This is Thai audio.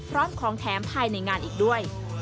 พร้อมของแถมภายในงานอีกด้วย